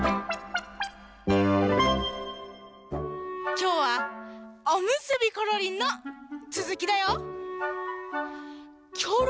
きょうは「おむすびころりん」のつづきだよ。